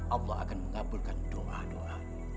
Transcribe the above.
allah akan mengabulkan doa doa